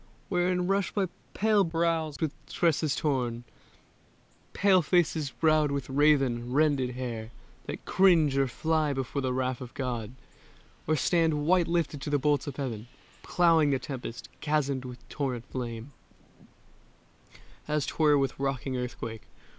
Wherein rush by pale brows with tresses torn; Pale faces browed with raven, rended hair, That cringe or fly before the wrath of God, Or stand white lifted to the bolts of Heaven, Ploughing the tempest, chasmed with torrent flame As 'twere with rocking earthquake.